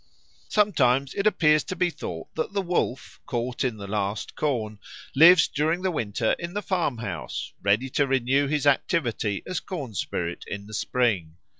Sometimes it appears to be thought that the Wolf, caught in the last corn, lives during the winter in the farmhouse, ready to renew his activity as corn spirit in the spring.